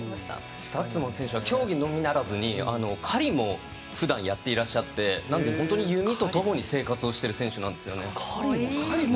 スタッツマン選手は競技のみならず、狩りもふだんやっていらっしゃって弓とともに生活をしていらっしゃる選手なんですよね。